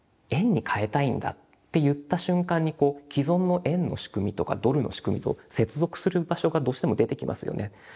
円に換えたいんだって言った瞬間に既存の円の仕組みとかドルの仕組みと接続する場所がどうしても出てきますよね。